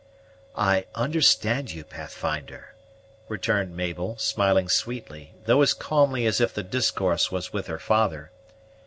"I understand you, Pathfinder," returned Mabel, smiling sweetly, though as calmly as if the discourse was with her father.